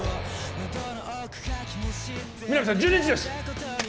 皆実さん１２時です！